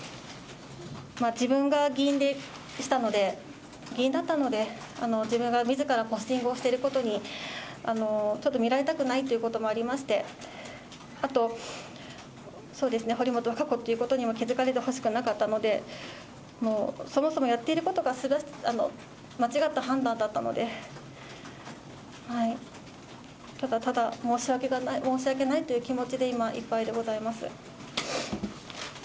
自分が議員でしたので、議員だったので、自分がみずからポスティングをしていることに、ちょっと見られたくないということもありまして、あと、そうですね、堀本和歌子ということに気付かれてほしくなかったので、そもそもやっていることが間違った判断だったので、ただただ申し訳ないという気持ちで今、いっぱいでございます。